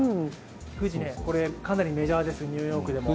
ふじ、かなりメジャーです、ニューヨークでも。